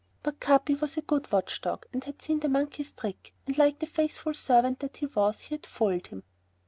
But Capi, who was a good watch dog, had seen the monkey's trick and like the faithful servant that he was, he had foiled him.